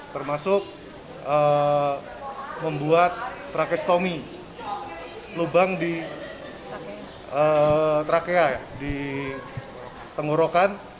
termasuk membuat trakestomi lubang di trakea di tenggorokan